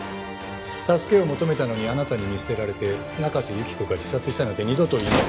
助けを求めたのにあなたに見捨てられて中瀬由紀子が自殺したなんて二度と言いませんよ。